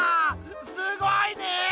すごいね！